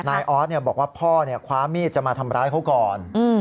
ออสบอกว่าพ่อคว้ามีดจะมาทำร้ายเขาก่อน